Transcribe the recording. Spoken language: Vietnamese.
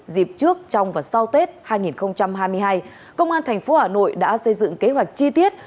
dịp trước trong và sau tết hai nghìn hai mươi hai công an thành phố hà nội đã xây dựng kế hoạch chi tiết